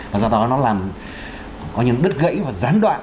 và do đó nó làm có những đứt gãy và gián đoạn